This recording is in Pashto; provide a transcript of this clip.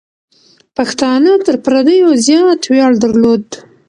پښتانه تر پردیو زیات ویاړ درلود.